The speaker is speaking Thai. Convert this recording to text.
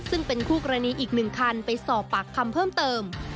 ซึ่งเป็นคู่กรณีอีก๑คันไปสอบปากคำเพิ่มเติม